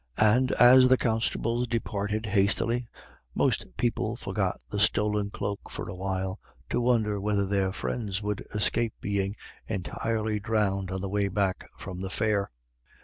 And as the constables departed hastily, most people forgot the stolen cloak for a while to wonder whether their friends would escape being entirely drowned on the way back from the fair.